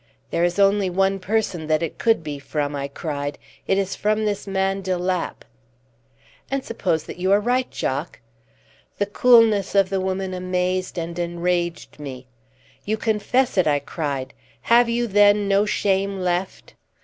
"There is only one person that it could be from," I cried. "It is from this man de Lapp!" "And suppose that you are right, Jock?" The coolness of the woman amazed and enraged me. "You confess it!" I cried. "Have you, then, no shame left?"